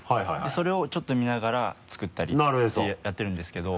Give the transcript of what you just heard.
それをちょっと見ながら作ったりってやってるんですけど。